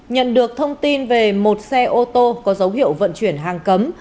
nhận được thông tin về một xe ô tô có dấu hiệu vận chuyển hàng cấm